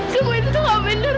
semua itu tuh gak bener